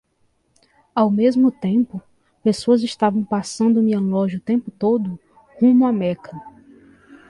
Ao mesmo tempo? pessoas estavam passando minha loja o tempo todo? rumo a Meca.